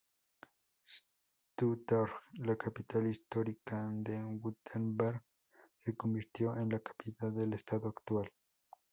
Stuttgart, la capital histórica de Württemberg, se convirtió en la capital del estado actual.